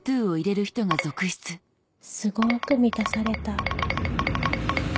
すごく満たされた。